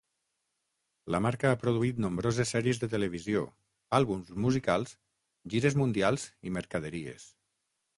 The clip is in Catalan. La marca ha produït nombroses sèries de televisió, àlbums musicals, gires mundials i mercaderies.